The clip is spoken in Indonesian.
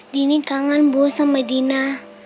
dini kangen bu sama dina